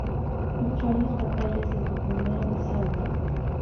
Luchó en las batallas de Tucumán y Salta.